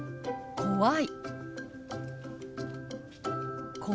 「怖い」。